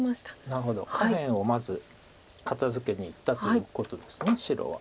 なるほど下辺をまず片づけにいったということです白は。